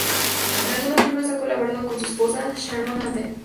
En algunos libros ha colaborado con su esposa, Sharon Ahern.